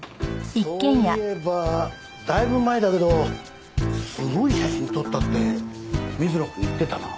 そういえばだいぶ前だけどすごい写真撮ったって水野君言ってたな。